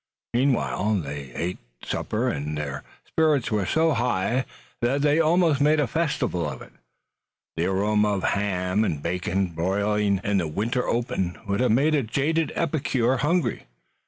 Meanwhile they ate supper and their spirits were so high that they almost made a festival of it. The aroma of the ham and bacon, broiled in the winter open, would have made a jaded epicure hungry.